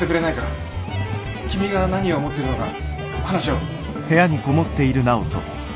君が何を思ってるのか話し合おう。